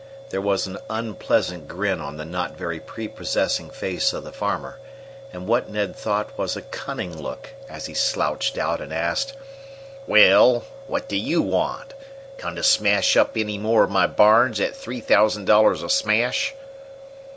There was an unpleasant grin on the not very prepossessing face of the farmer, and what Ned thought was a cunning look, as he slouched out and asked: "Well, what do you want? Come to smash up any more of my barns at three thousand dollars a smash?"